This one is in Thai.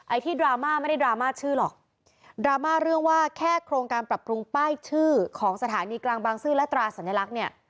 ที่ดราม่าไม่ได้ดราม่าชื่อหรอกดราม่าเรื่องว่าแค่โครงการปรับปรุงป้ายชื่อของสถานีกลางบางซื่อและตราสัญลักษณ์เนี่ย